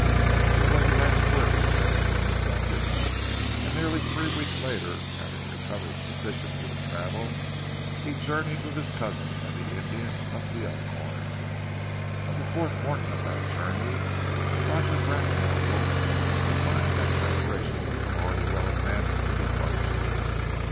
It was the last word he said upon the subject, and nearly three weeks later, having recovered sufficiently to travel, he journeyed with his cousin and the Indian up the Elkhorn. On the fourth morning of that journey Roger Bracknell woke, to find that preparations were already well advanced for departure.